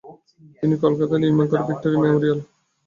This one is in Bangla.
তিনি কলকাতায় নির্মাণ করেন ‘ভিক্টোরিয়া মেমোরিয়াল’।